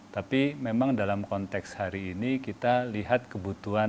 tapi memang dalam konteks hari ini kita lihat kebutuhan